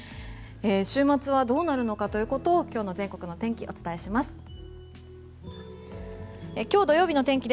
週末はどうなるのかということを今日の全国の天気